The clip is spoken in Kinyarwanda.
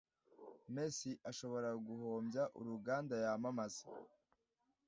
Messi ashobora guhombya uruganda yamamaza